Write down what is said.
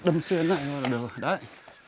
đâm xuyên lại thôi là được